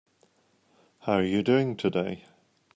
How are you doing today?